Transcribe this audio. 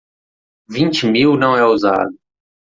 Vinte mil não é usado